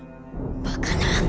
バカな！